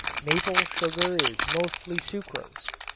Maple sugar is mostly sucrose.